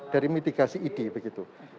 dari mitigasi idi begitu